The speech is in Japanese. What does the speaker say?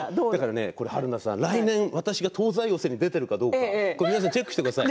春菜さん、来年私が「東西寄席」に出ているかどうか皆さんチェックしてください。